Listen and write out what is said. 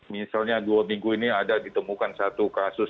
misalnya dua minggu ini ada ditemukan satu kasus